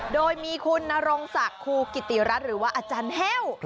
โดยมีคุณนรงศักดิ์ครูกิติรัฐหรือว่าอาจารย์แห้ว